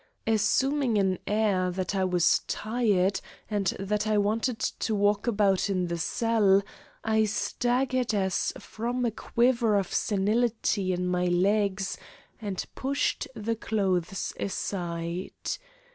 Assuming an air that I was tired and that I wanted to walk about in the cell, I staggered as from a quiver of senility in my legs, and pushed the clothes aside.